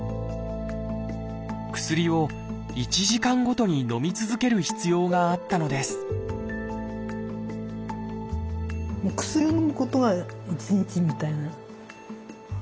薬を１時間ごとにのみ続ける必要があったのですもう薬をのむことが１日みたいな。